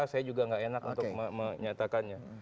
saya juga nggak enak untuk menyatakannya